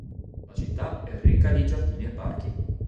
La città è ricca di giardini e parchi.